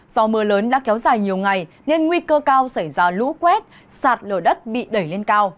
do mưa lớn đã kéo dài nhiều ngày nên nguy cơ cao xảy ra lũ quét sạt lở đất bị đẩy lên cao